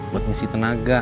buat ngisi tenaga